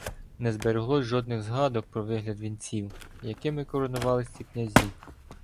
Не збереглось жодних згадок про вигляд вінців, якими коронувались ці князі.